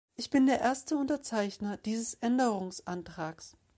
Ich bin der erste Unterzeichner dieses Änderungsantrags.